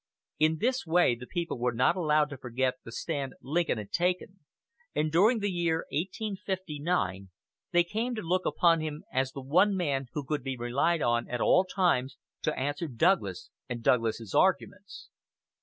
In this way the people were not allowed to forget the stand Lincoln had taken, and during the year 1859 they came to look upon him as the one man who could be relied on at all times to answer Douglas and Douglas's arguments.